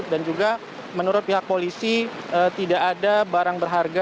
dan juga menurut pihak polisi tidak ada barang berharga